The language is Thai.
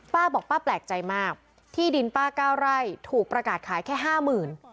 ป้าบอกป้าแปลกใจมากที่ดินป้าเก้าไร่ถูกประกาศขายแค่ห้าหมื่น